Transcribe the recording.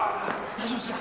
大丈夫ですか？